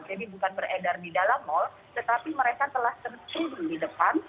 jadi bukan beredar di dalam mall tetapi mereka telah tertutup di depan